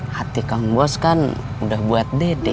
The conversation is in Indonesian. hati kang bos kan udah buat dede